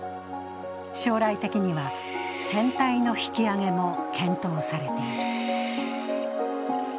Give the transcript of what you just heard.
将来的には船体の引き揚げも検討されている。